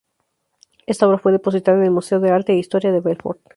Esta obra fue depositada en el Museo de Arte e Historia de Belfort.